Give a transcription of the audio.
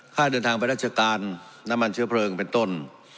ค่าเดินทางไปราชการน้ำมันเชื้อเพลิงเป็นต้น